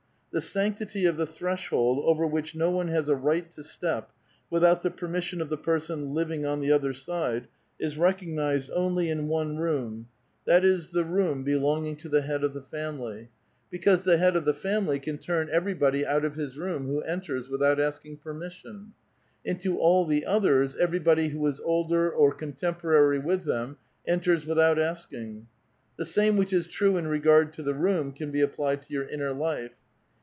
The sanctity of the threshold over wiiich no one has a right to step, without the permission of the person living on the other side, is recognized only in one room ; that is the room 820 A VITAL QUESTION. belonging to the head of the familj', because the head of the family can turn everybody oat of his room who enters with out asking permission. Into all the others, everyboily who is older or contemporarj' with them enters without asking. Tlie same which is true in regard to the room can be applied to your inner life.